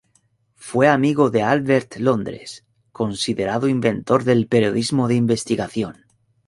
Fue amigo de Albert Londres, considerado inventor del periodismo de investigación.